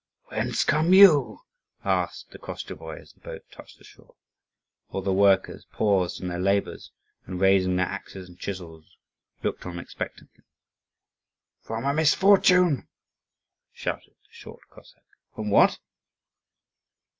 "Whence come you!" asked the Koschevoi, as the boat touched the shore. All the workers paused in their labours, and, raising their axes and chisels, looked on expectantly. "From a misfortune!" shouted the short Cossack. "From what?"